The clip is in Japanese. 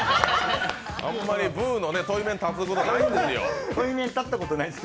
あんまりブウのとい面に立つことはないんですよ。